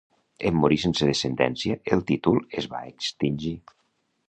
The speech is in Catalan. En morir sense descendència el títol es va extingir.